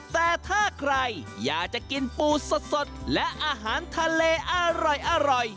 แต่ถ้าใครอยากจะกินปูสดและอาหารทะเลอร่อย